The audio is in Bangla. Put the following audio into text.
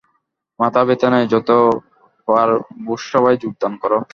মাথা-ব্যথা নাই, যত পার ভোজসভায় যোগদান কর।